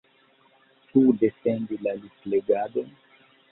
Ĉu defendi la liplegadon?